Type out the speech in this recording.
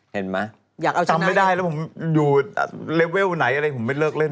เห็นมั้ยอยากเอาชนะอีกจำไม่ได้แล้วผมอยู่เลเวลไหนอะไรผมไม่เลิกเล่น